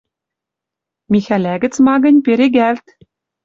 Михӓлӓ гӹц, ма гӹнь, перегӓлт...